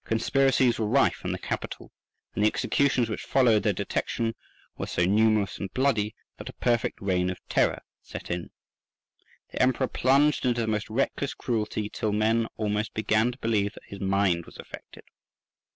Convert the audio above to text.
Conspiracies were rife in the capital, and the executions which followed their detection were so numerous and bloody that a perfect reign of terror set in. The Emperor plunged into the most reckless cruelty, till men almost began to believe that his mind was affected.